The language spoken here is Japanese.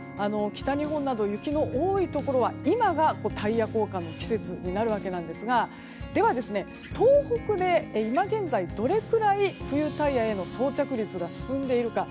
北日本など雪の多いところは今がタイヤ交換の季節になるわけなんですがでは、東北で今現在どれくらい冬タイヤへの装着率が進んでいるか。